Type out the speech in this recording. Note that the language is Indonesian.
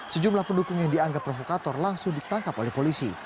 sejumlah pendukung yang dianggap provokator langsung ditangkap oleh polisi